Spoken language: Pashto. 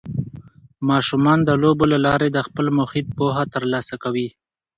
ماشومان د لوبو له لارې د خپل محیط پوهه ترلاسه کوي.